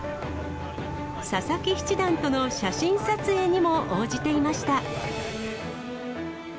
佐々木七段との写真撮影にも応じていました。